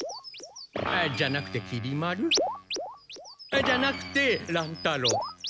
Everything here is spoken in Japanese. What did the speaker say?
じゃなくてきり丸？じゃなくて乱太郎。